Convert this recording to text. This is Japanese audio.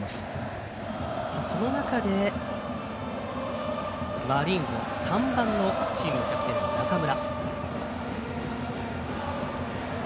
その中でマリーンズは３番のチームキャプテンの中村。